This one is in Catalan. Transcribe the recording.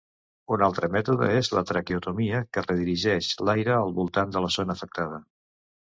Un altre mètode és la traqueotomia, que redirigeix l'aire al voltant de la zona afectada.